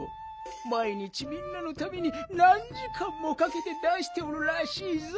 まい日みんなのためになんじかんもかけて出しておるらしいぞ。